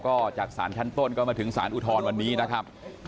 ก็จากศาลชั้นต้นก็มาถึงสารอุทธรณ์วันนี้นะครับ